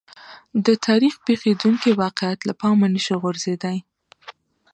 د تاریخ پېښېدونکي واقعات له پامه نه شي غورځېدای.